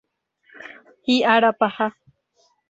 Hi'ára paha.